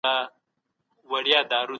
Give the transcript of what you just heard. موږ باید تل د حق ملاتړ وکړو.